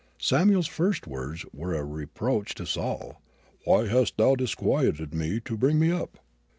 Samuel's first words were a reproach to Saul. "Why hast thou disquieted me to bring me up?"